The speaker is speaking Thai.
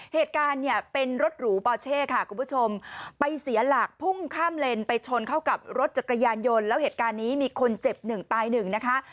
เหตุการณ์เนี่ยเป็นรถหรูปอเช่ค่ะคุณผู้ชมไปเสียหลักพุ่งข้ามเลนไปชนเข้ากับรถจักรยานยนต์แล้วเหตุการณ์นี้มีคนเจ็บหนึ่งตายหนึ่งนะคะ